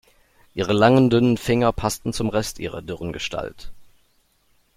Ihre langen, dünnen Finger passen zum Rest ihrer dürren Gestalt.